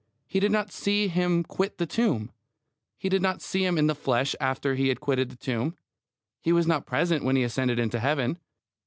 He did not see Him quit the tomb. He did not see Him in the flesh after He had quitted the tomb. He was not present when He ascended into Heaven.